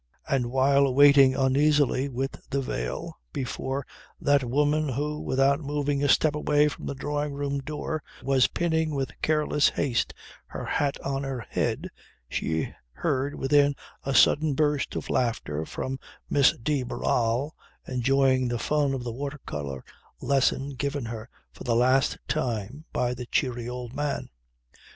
And while waiting uneasily, with the veil, before that woman who, without moving a step away from the drawing room door was pinning with careless haste her hat on her head, she heard within a sudden burst of laughter from Miss de Barral enjoying the fun of the water colour lesson given her for the last time by the cheery old man.